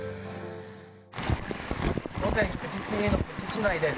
午前９時過ぎの富士市内です。